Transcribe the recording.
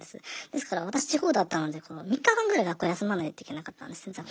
ですから私地方だったので３日間ぐらい学校休まないといけなかったんです。